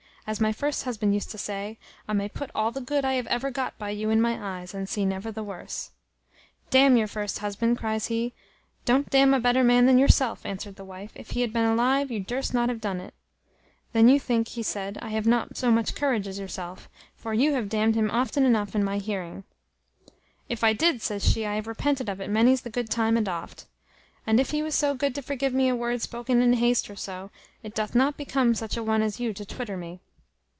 As my first husband used to say, I may put all the good I have ever got by you in my eyes, and see never the worse." "D n your first husband!" cries he. "Don't d n a better man than yourself," answered the wife: "if he had been alive, you durst not have done it." "Then you think," says he, "I have not so much courage as yourself; for you have d n'd him often in my hearing." "If I did," says she, "I have repented of it many's the good time and oft. And if he was so good to forgive me a word spoken in haste or so, it doth not become such a one as you to twitter me.